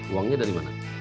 uangnya dari mana